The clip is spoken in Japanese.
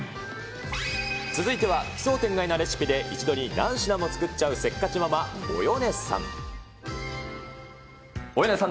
続いては奇想天外なレシピで一度に何品も作っちゃうせっかちママ、およねさん。